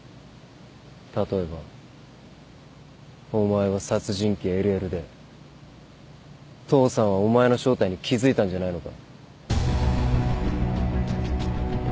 例えばお前は殺人鬼・ＬＬで父さんはお前の正体に気付いたんじゃないのか？